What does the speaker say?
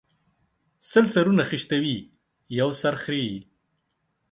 سل سرونه خشتوي ، يو سر خريي